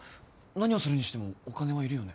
何をするにしてもお金はいるよね